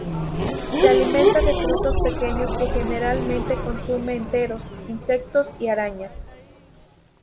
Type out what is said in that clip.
Se alimenta de frutos pequeños que generalmente consume enteros, insectos y arañas.